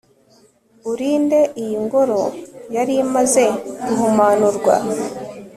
urinde iyi ngoro yari imaze guhumanurwa